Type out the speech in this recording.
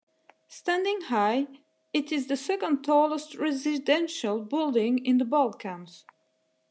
Standing high, it is the second tallest residential building in the Balkans.